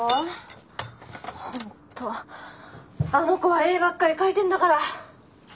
ホントあの子は絵ばっかり描いてんだから。